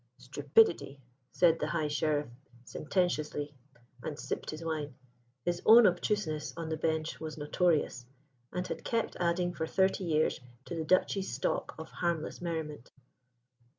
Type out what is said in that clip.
"Stupidity," said the High Sheriff sententiously, and sipped his wine. His own obtuseness on the Bench was notorious, and had kept adding for thirty years to the Duchy's stock of harmless merriment.